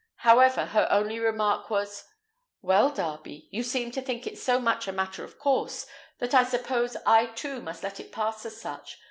However, her only remark was, "Well, Darby, you seem to think it so much a matter of course, that I suppose I too must let it pass as such.